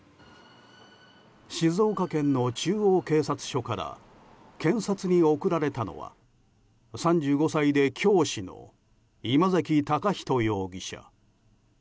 静岡県の中央警察署から検察に送られたのは３５歳で教師の今関崇人容疑者。